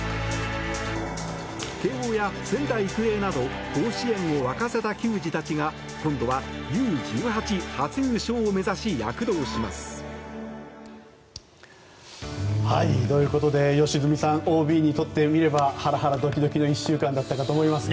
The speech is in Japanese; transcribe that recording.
慶応や仙台育英など甲子園を沸かせた球児たちが今度はＵ−１８初優勝を目指し躍動します。ということで良純さんＯＢにとってみればハラハラドキドキの１週間だったかと思いますね。